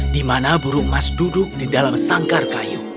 di mana burung emas duduk di dalam sangkar kayu